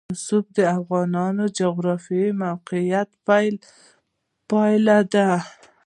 رسوب د افغانستان د جغرافیایي موقیعت پایله ده.